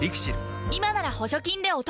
今なら補助金でお得